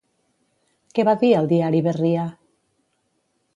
Què va dir al diari Berria?